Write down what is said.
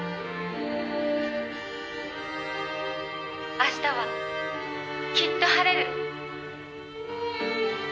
「明日はきっと晴れる」